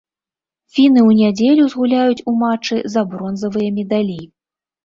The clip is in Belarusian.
Фіны ў нядзелю згуляюць у матчы за бронзавыя медалі.